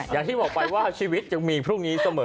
อย่างที่บอกไปว่าชีวิตยังมีพรุ่งนี้เสมอ